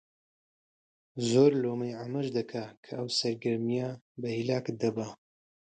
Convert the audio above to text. زۆر لۆمەی حەمەش دەکا کە ئەو سەرگەرمییە بە هیلاکت دەبا